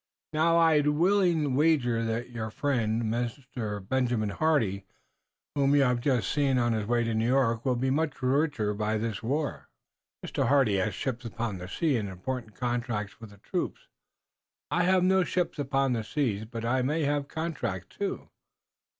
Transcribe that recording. Now I'd willingly wager that your friend, Master Benjamin Hardy, whom you have just seen on his way to New York, will be much the richer by this war." "Master Hardy has ships upon the seas, and important contracts for the troops." "I have no ships upon the seas, but I may have contracts, too."